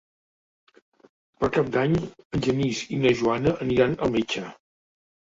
Per Cap d'Any en Genís i na Joana aniran al metge.